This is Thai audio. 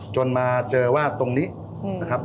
จนมาเจอว่าตรงนี้นะครับ